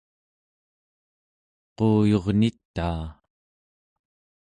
quuyurnitaa